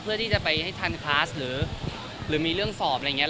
เพื่อที่จะไปให้ทันคลาสหรือมีเรื่องสอบอะไรอย่างนี้